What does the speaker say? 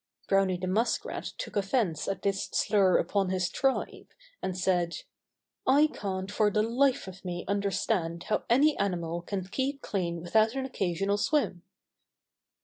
Browny the Muskrat took offense at this slur upon his tribe, and said: "I can't for the life of me understand how any animal can keep clean without an occasional swim."